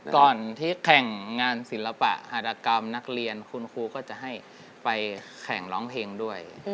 ก่อนที่แข่งงานศิลปะหัตกรรมนักเรียนคุณครูก็จะให้ไปแข่งร้องเพลงด้วย